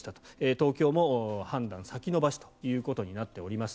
東京も判断先延ばしということになっております。